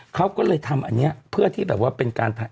เขาก็เลยทำอันนี้เพื่อที่แบบว่าเป็นการ